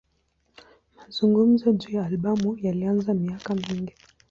Mazungumzo juu ya albamu yalianza miaka mingi.